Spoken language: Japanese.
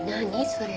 それ。